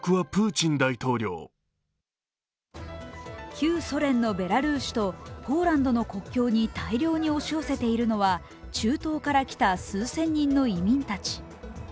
旧ソ連のベラルーシとポーランドの国境に大量に押し寄せているのは中東から来た数千人の移民たち。